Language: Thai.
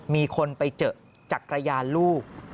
มีคนไปเจอจักรยานลูก